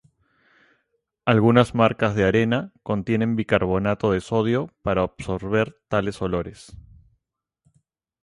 Algunas marcas de arena contienen bicarbonato de sodio para absorber tales olores.